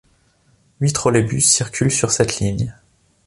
Huit trolleybus circulent sur cette ligne.